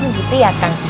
emang gitu ya kang